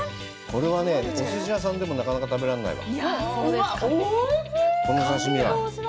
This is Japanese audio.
これはね、おすし屋さんでもなかなか食べられないわ。